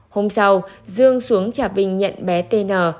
hôm sau dương xuống trạp vinh nhận bé tn